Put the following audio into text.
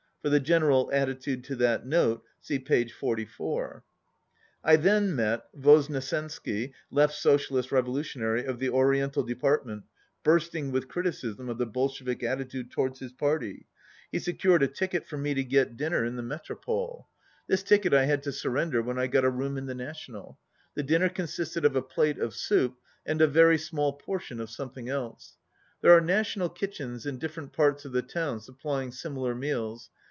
(For the general attitude to that Note, see page 44.) I then met Voznesensky (Left Social Revolu tionary), of the Oriental Department, bursting with criticism of the Bolshevik attitude towards his party. He secured a ticket for me to get din 29 ner in the Metropole. This ticket I had to sur render when I got a room in the National. The dinner consisted of a plate of soup, and a very small portion of something else. There are Na tional Kitchens in different parts of the town sup plying similar meals.